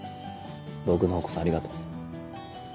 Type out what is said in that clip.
僕の方こそありがとう。